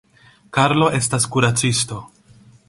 Karlo estas kuracisto.